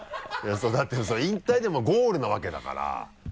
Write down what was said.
そうだって引退ってもうゴールなわけだから。